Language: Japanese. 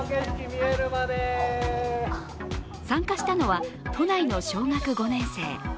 参加したのは都内の小学５年生。